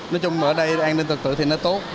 nói chung ở đây an ninh tự tử thì nó tốt